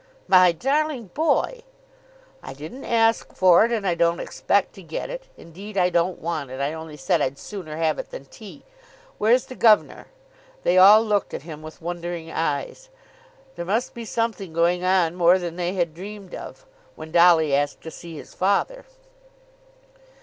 "My darling boy!" "I didn't ask for it, and I don't expect to get it; indeed I don't want it. I only said I'd sooner have it than tea. Where's the governor?" They all looked at him with wondering eyes. There must be something going on more than they had dreamed of, when Dolly asked to see his father.